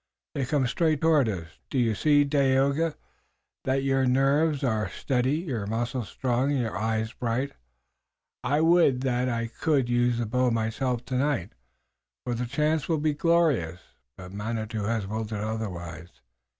They come straight toward us. Do you see, Dagaeoga, that your nerves are steady, your muscles strong and your eyes bright. I would that I could use the bow myself tonight, for the chance will be glorious, but Manitou has willed otherwise.